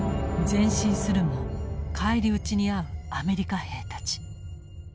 前進するも返り討ちに遭うアメリカ兵たち。